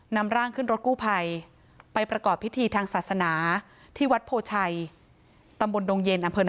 นำร่างขึ้นรถกู้ภัยไปประกอบพิธีทางศาสนาที่วัดโพชัยตำบลดงเย็นอำเภอ